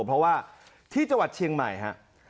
เพราะว่าที่จังหวัดเชียงใหม่ฮะ